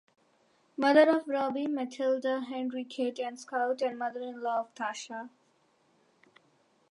Mother of Robbie, Matilda, Henry, Kit and Scott, and mother-in-law of Tasha.